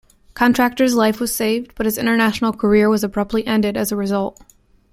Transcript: Contractor's life was saved but his international career was abruptly ended as a result.